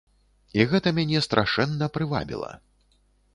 І гэта мяне страшэнна прывабіла.